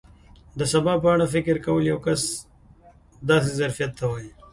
د سبا په اړه فکر کول یو کس داسې ظرفیت ته وایي.